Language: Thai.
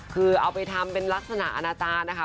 คือเอาไปทำเป็นลักษณะอาณาจารย์นะคะ